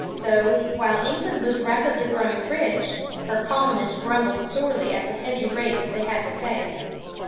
So, while England was rapidly growing rich, her colonists grumbled sorely at the heavy rates they had to pay.